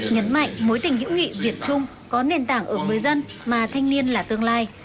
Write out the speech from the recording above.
nhấn mạnh mối tình hữu nghị việt trung có nền tảng ở người dân mà thanh niên là tương lai